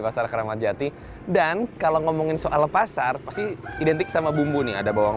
pasar keramat jati dan kalau ngomongin soal pasar pasti identik sama bumbu nih ada bawang